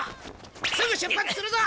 すぐ出発するぞ！